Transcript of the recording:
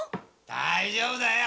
大丈夫だよ。